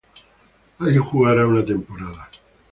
Ahí jugará una temporada.